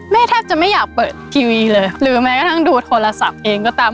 แทบจะไม่อยากเปิดทีวีเลยหรือแม้กระทั่งดูโทรศัพท์เองก็ตาม